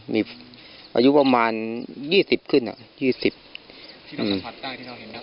มีอายุประมาณยี่สิบขึ้นอ่ะยี่สิบที่เราสัมผัสได้ที่เราเห็นได้